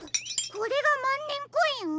これがまんねんコイン？